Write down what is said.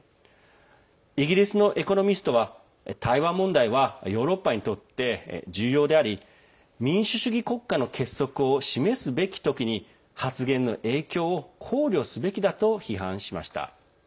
イギリスの「エコノミスト」は台湾問題はヨーロッパにとって重要であり民主主義国家の結束を示すべき時に発言の影響を考慮すべきだと批判しました。